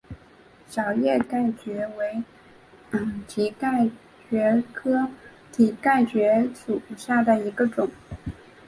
小叶蹄盖蕨为蹄盖蕨科蹄盖蕨属下的一个种。